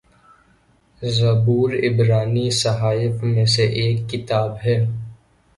زبور عبرانی صحائف میں سے ایک کتاب ہے